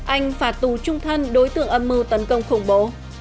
anh phạt tù trung thân đối tượng âm mưu tấn công khủng bố